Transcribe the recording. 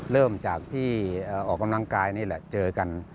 เริ่มจากที่ออกกำลังกายนี่แหละเจอกัน